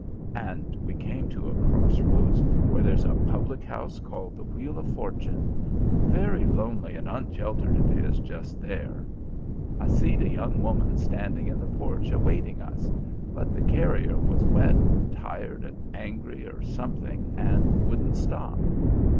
And we came to a cross roads where there's a public house called The Wheel of Fortune, very lonely and onsheltered it is just there. I see'd a young woman standing in the porch awaiting us, but the carrier was wet and tired and angry or something and wouldn't stop.